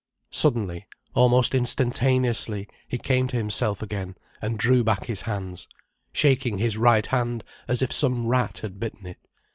Suddenly, almost instantaneously, he came to himself again and drew back his hands, shaking his right hand as if some rat had bitten it.